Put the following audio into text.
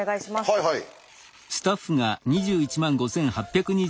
はいはい。